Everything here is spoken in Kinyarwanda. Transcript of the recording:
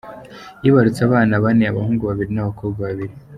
Yibarutse abana bane, abahungu babiri n’abakobwa babiri.